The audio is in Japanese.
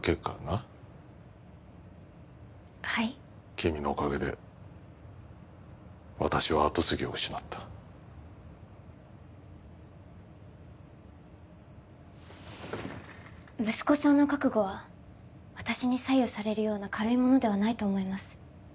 君のおかげで私はあと継ぎを失った息子さんの覚悟は私に左右されるような軽いものではないと思います